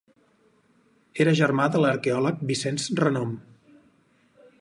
Era germà de l'arqueòleg Vicenç Renom.